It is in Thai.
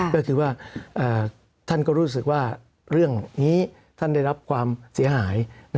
ก็คือว่าท่านก็รู้สึกว่าเรื่องนี้ท่านได้รับความเสียหาย